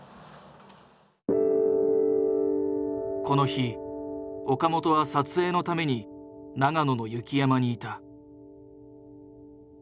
この日岡本は撮影のために長野の雪山にいた。